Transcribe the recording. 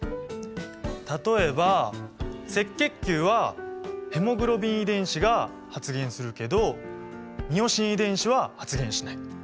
例えば赤血球はヘモグロビン遺伝子が発現するけどミオシン遺伝子は発現しない。